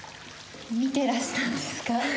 見てらしたんですか？